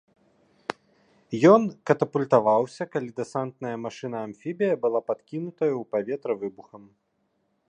Ён катапультаваўся, калі дэсантная машына-амфібія была падкінутая ў паветра выбухам.